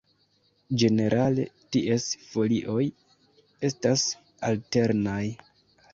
Ĝenerale ties folioj estas alternaj.